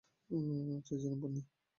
চেয়েছিলাম, পোন্নি।